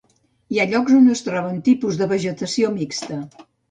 Hi ha llocs on es troben tipus de vegetació mixta.